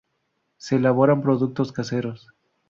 Se elaboran productos caseros